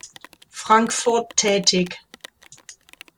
Frankfurt tätig.